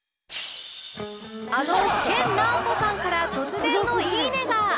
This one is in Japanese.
あの研ナオコさんから突然の「いいね」が！